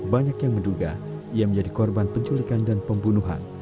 banyak yang menduga ia menjadi korban penculikan dan pembunuhan